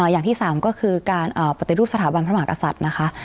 อย่างที่สามก็คือการปฏิรูปสถาบันพระมหากษัตริย์นะคะ